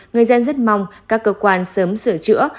người dân rất mong các cơ quan sớm sửa chữa